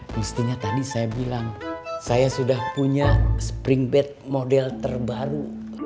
mestinya tadi saya bilang saya sudah punya spring bed model terbaru